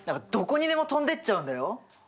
どこにでも飛んでっちゃうんだよ。